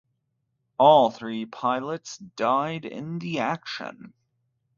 All three pilots died in the action.